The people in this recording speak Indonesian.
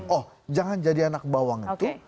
oh jangan jadi anak bawang itu